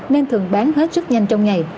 nên thường bán hết rất nhanh trong ngày